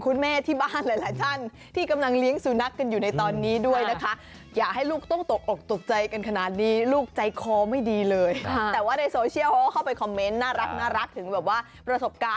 ก้นกบกระแทกตอนลงใช่มั้ยรีบวิ่งลงมา